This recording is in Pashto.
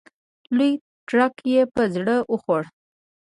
لوی تړک یې په زړه وخوړ.